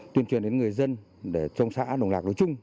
tuyên truyền đến người dân để trong xã đồng lạc đối chung